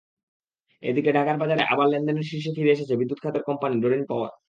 এদিকে ঢাকার বাজারে আবার লেনদেনের শীর্ষে ফিরে এসেছে বিদ্যুৎ খাতের কোম্পানি ডরিন পাওয়ার।